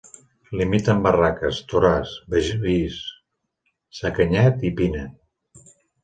Limita amb Barraques, Toràs, Begís, Sacanyet i Pina.